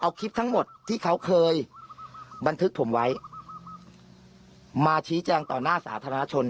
เอาคลิปทั้งหมดที่เขาเคยบันทึกผมไว้มาชี้แจงต่อหน้าสาธารณชน